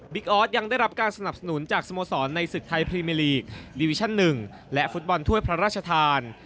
ออสยังได้รับการสนับสนุนจากสโมสรในศึกไทยพรีเมอร์ลีกดิวิชั่น๑และฟุตบอลถ้วยพระราชทาน